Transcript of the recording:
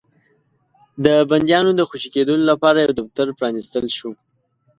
د بنديانو د خوشي کېدلو لپاره يو دفتر پرانيستل شو.